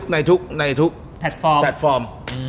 ในทุกแพลตฟอร์ม